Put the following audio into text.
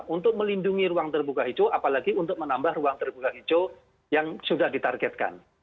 untuk melindungi ruang terbuka hijau apalagi untuk menambah ruang terbuka hijau yang sudah ditargetkan